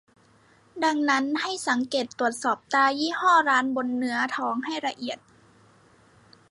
ดังนั้นให้สังเกตตรวจสอบตรายี่ห้อร้านบนเนื้อทองให้ละเอียด